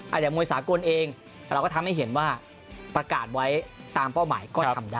อย่างมวยสากลเองเราก็ทำให้เห็นว่าประกาศไว้ตามเป้าหมายก็ทำได้